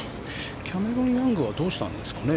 キャメロン・ヤングはどうしたんですかね。